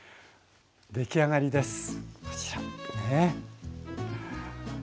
でき上がりですこちらねぇ。